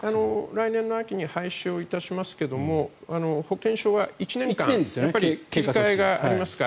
来年の秋に廃止をいたしますけれども保険証は１年間切り替えがありますから。